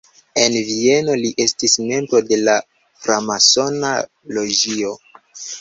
En Vieno li estis membro de framasona loĝio.